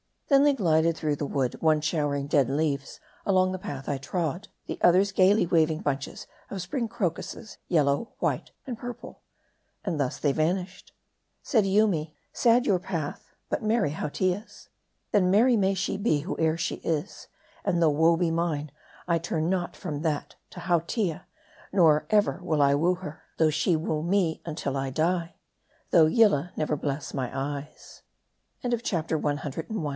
Then they glided through the wood : one showering dead leaves along the path I trod, the others gayly waving bunch es of spring crocuses, yellow, white, and purple ; and thus they vanished. Said Yoomy, " Sad your path, but merry Hautia's." " Then merry may she be, whoe'er she is ; and though woe be mine, I turn not from that to Hautia ; nor ever will I woo her, though she woo me till I die ; though Yillah never bless my ey